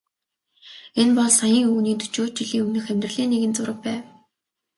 Энэ бол саяын өвгөний дөчөөд жилийн өмнөх амьдралын нэгэн зураг байв.